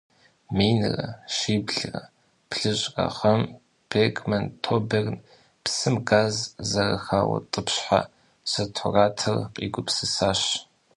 Минрэ щиблрэ блыщI гъэм Бергман Тоберн псым газ зэрыхаутIыпщхьэ сатуратор къигупсысащ.